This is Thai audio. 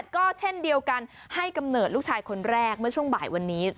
ก็เช่นเดียวกันให้กำเนิดลูกชายคนแรกเมื่อช่วงบ่ายวันนี้